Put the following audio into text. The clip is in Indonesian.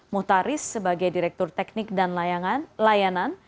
mutaris sebagai direktur teknik dan layanan